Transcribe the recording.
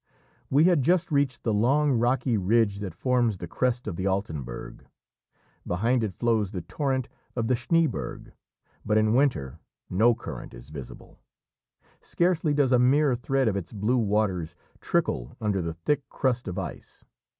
We had just reached the long rocky ridge that forms the crest of the Altenberg; behind it flows the torrent of the Schnéeberg, but in winter no current is visible; scarcely does a mere thread of its blue waters trickle under the thick crust of ice.